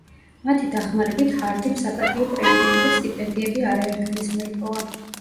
მათი დახმარებით ჰარდიმ საპატიო პრემიები და სტიპენდიები არაერთგზის მოიპოვა.